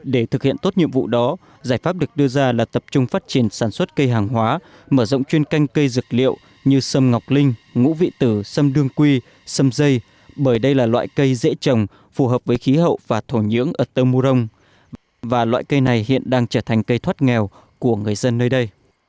để thực hiện tốt nhiệm vụ đó giải pháp được đưa ra là tập trung phát triển sản xuất cây hàng hóa mở rộng chuyên canh cây dược liệu như sâm ngọc linh ngũ vị tử xâm đương quy sâm dây bởi đây là loại cây dễ trồng phù hợp với khí hậu và thổ nhưỡng ở tơ murong và loại cây này hiện đang trở thành cây thoát nghèo của người dân nơi đây